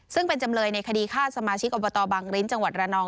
ซึ่งเป็นจำเลยในคดีฆ่าสมาชิกอบตบังริ้นจังหวัดระนอง